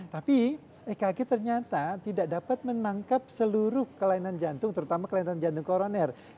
tapi ekg ternyata tidak dapat menangkap seluruh kelainan jantung terutama kelainan jantung koroner